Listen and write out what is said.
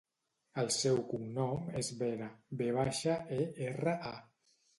El seu cognom és Vera: ve baixa, e, erra, a.